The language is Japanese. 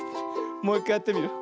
もういっかいやってみるよ。